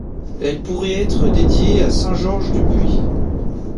Elle pourrait être dédiée à Saint Georges du Puy.